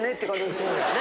そうだね。